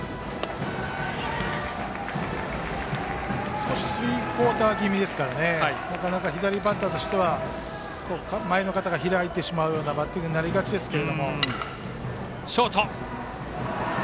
少しスリークオーター気味ですからなかなか左バッターとしては前の肩が開いてしまうようなバッティングになりがちですが。